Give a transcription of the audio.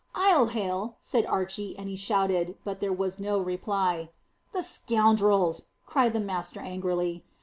"I'll hail," said Archy; and he shouted, but there was no reply. "The scoundrels!" cried the master angrily.